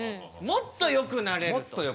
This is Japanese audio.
もっとよくなれます。